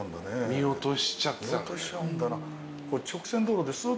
見落としちゃってた。